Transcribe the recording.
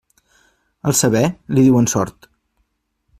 Al saber, li diuen sort.